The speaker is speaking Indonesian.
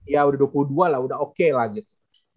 ya udah dua puluh dua lah udah oke lah gitu